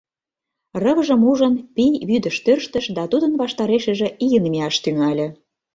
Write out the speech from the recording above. Рывыжым ужын, пий вӱдыш тӧрштыш да тудын ваштарешыже ийын мияш тӱҥале.